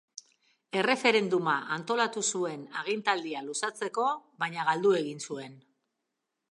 Erreferenduma antolatu zuen agintaldia luzatzeko baina galdu egin zuen.